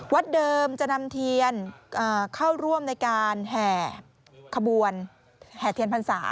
วัดเดิมจะนำเทียนเข้าร่วมในการแห่ขบวนแห่เทียนพรรษา